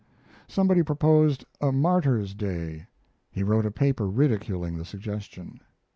Somebody proposed a Martyrs' Day; he wrote a paper ridiculing the suggestion.